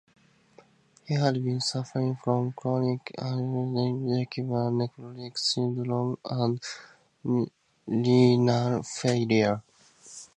He had been suffering from chronic lymphocytic leukemia, nephrotic syndrome and renal failure.